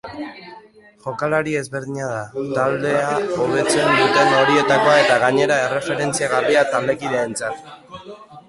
Jokalari ezberdina da, taldea hobetzen duten horietakoa eta gainera erreferentzia garbia taldekideentzat.